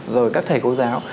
rồi các thầy cô giáo